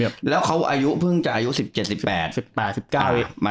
เออมันแล้วเขาอายุเพิ่งจะอายุสิบเจ็ดสิบแปดสิบแปดสิบเก้า